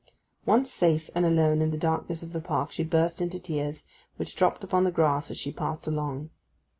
Once safe and alone in the darkness of the park she burst into tears, which dropped upon the grass as she passed along.